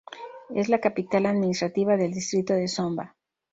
Es la capital administrativa del Distrito de Zomba.